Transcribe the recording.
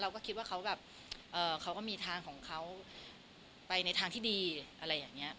ก็คิดว่าเขาแบบเขาก็มีทางของเขาไปในทางที่ดีอะไรอย่างนี้